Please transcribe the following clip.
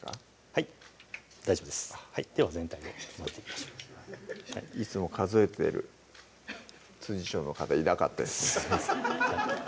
はい大丈夫ですでは全体に混ぜていきましょういつも数えてる調の方いなかったですね